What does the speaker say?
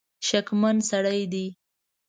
شکمن سړی دی.